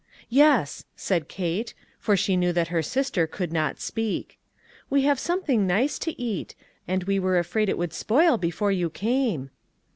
" Yes," said Kate, for she knew that her sister could not speak. "We have some thing nice to eat ; and we were afraid it would spoil before you came."